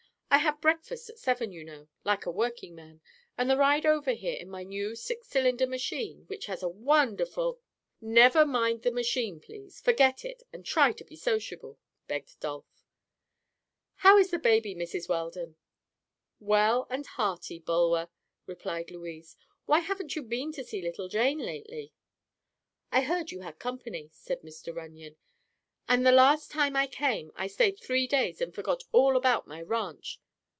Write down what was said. "I had breakfast at seven, you know—like a working man—and the ride over here in my new six cylinder machine, which has a wonderful—" "Never mind the machine, please. Forget it, and try to be sociable," begged Dolph. "How is the baby, Mrs. Weldon?" "Well and hearty, Bulwer," replied Louise. "Why haven't you been to see little Jane lately?" "I heard you had company," said Mr. Runyon; "and the last time I came I stayed three days and forgot all about my ranch.